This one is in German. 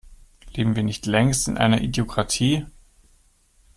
Leben wir nicht längst in einer Idiokratie?